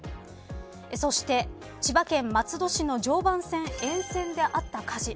そして、千葉県松戸市の常磐線沿線であった火事。